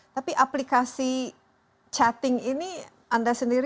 tapi aplikasi chatting ini anda sendiri